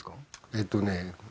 えっとね